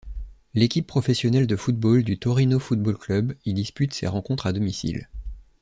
L'équipe professionnelle de football du Torino Football Club y dispute ses rencontres à domicile.